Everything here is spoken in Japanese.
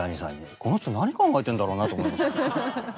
この人何考えてんだろうなと思いましたもん。